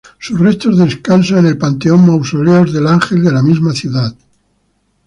Sus restos descansan en el Panteón Mausoleos del Ángel, de la misma ciudad.